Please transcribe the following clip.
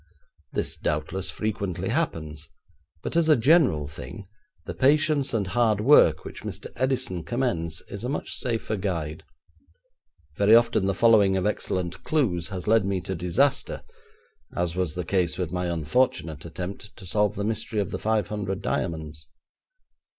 This doubtless frequently happens, but, as a general thing, the patience and hard work which Mr. Edison commends is a much safer guide. Very often the following of excellent clues had led me to disaster, as was the case with my unfortunate attempt to solve the mystery of the five hundred diamonds.